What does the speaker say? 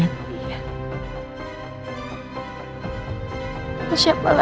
aku yakin sama apa yang kamu liat